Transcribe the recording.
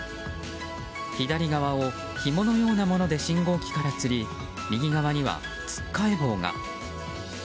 左側をひものようなもので信号機からつり右側にはつっかえ棒が。